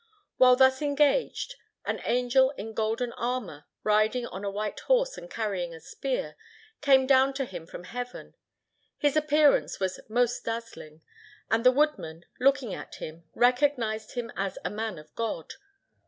While thus engaged, an angel in golden armour, riding on a white horse and carrying a spear, came down to him from heaven. His appearance was most dazzling, and the woodman, looking at him, recognized him as a Man of God.